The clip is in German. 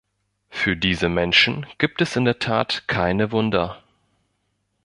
Für diese Menschen gibt es in der Tat keine Wunder.